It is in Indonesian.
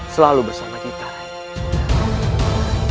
selalu bersama kita rai